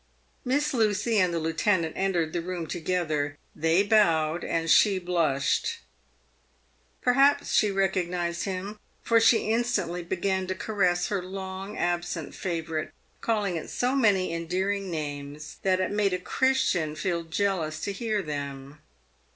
Miss Lucy and the lieutenant entered the room together. They bowed, and she blushed. Perhaps she recognised him, for she in stantly began to caress her long absent favourite, calling it so many endearing names that it made a Christian feel jealous to hear them.